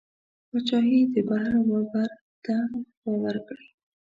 بادشاهي د بحر وبر ده که باور کړې